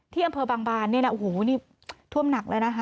อำเภอบางบานเนี่ยนะโอ้โหนี่ท่วมหนักแล้วนะคะ